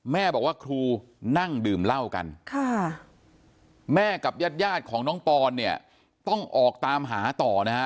แม่บอกว่าครูนั่งดื่มเหล้ากันค่ะแม่กับญาติยาดของน้องปอนเนี่ยต้องออกตามหาต่อนะฮะ